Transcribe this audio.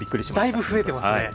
だいぶ増えてますね。